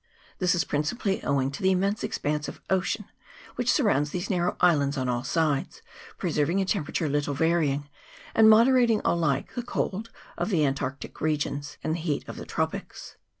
This is principally owing to the immense expanse of ocean which surrounds these narrow islands on all sides, preserving a tem perature little varying, and moderating alike the cold of the antarctic regions and the heat of the tropics.